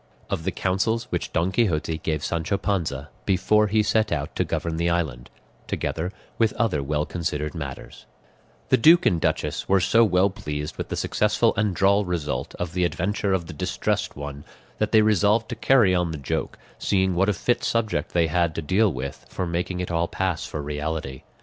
OF THE COUNSELS WHICH DON QUIXOTE GAVE SANCHO PANZA BEFORE HE SET OUT TO GOVERN THE ISLAND, TOGETHER WITH OTHER WELL CONSIDERED MATTERS The duke and duchess were so well pleased with the successful and droll result of the adventure of the Distressed One, that they resolved to carry on the joke, seeing what a fit subject they had to deal with for making it all pass for reality.